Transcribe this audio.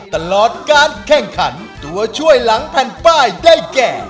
ตลอดการแข่งขันตัวช่วยหลังแผ่นป้ายได้แก่